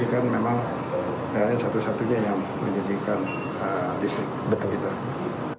dengan mengubah beberapa kebijakan dmo dan sanksi tambahan berupa pengurangan produksi hingga pencabutan izin bagi yang melanggar pasokan dalam negeri